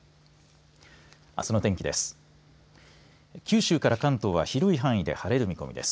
あすの天気です。